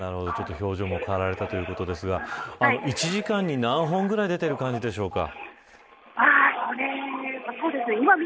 表情も変わられたということですが１時間に何本ぐらい出ている感じですか。